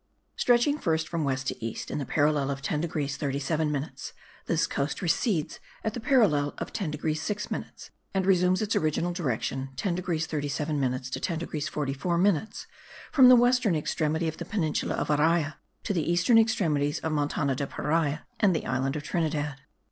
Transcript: Stretching first from west to east, in the parallel of 10 degrees 37 minutes, this coast recedes at the parallel 10 degrees 6 minutes, and resumes its original direction (10 degrees 37 minutes to 10 degrees 44 minutes) from the western extremity of the peninsula of Araya to the eastern extremities of Montana de Paria and the island of Trinidad.